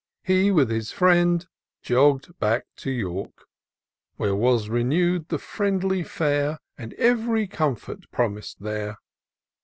He with his friend jogg'd back to York, Where was renew'd the friendly fare, And ev'ry comfort promis'd there.